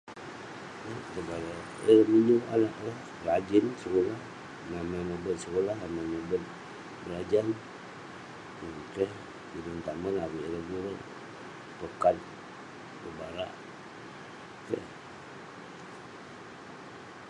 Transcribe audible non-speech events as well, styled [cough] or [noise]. [unintelligible] rajin sekulah, amai mobet sekulah, amai mobet berajan. Yeng keh. Tinen tamen avik ireh guruk, pokat, barak. Keh